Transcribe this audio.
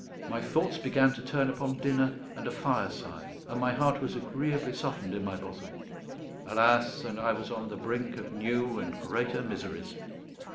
My thoughts began to turn upon dinner and a fireside, and my heart was agreeably softened in my bosom. Alas, and I was on the brink of new and greater miseries!